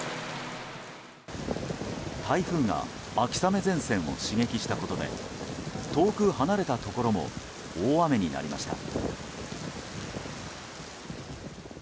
台風が秋雨前線を刺激したことで遠く離れたところも大雨になりました。